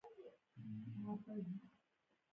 زړه د باور کور دی.